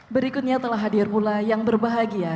berikutnya telah hadir pula yang berbahagia